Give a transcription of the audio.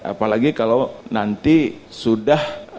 apalagi kalau nanti sudah